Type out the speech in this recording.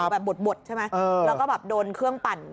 แบบบดใช่ไหมแล้วก็แบบโดนเครื่องปั่น